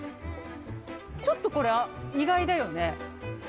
ちょっとこれ、意外だよね。